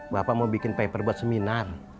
bapak mau bikin paper buat seminar